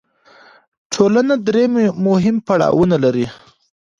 ټولنه درې مهم پړاوونه لري.